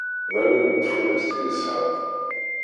D allen n tfunast i yesɛa.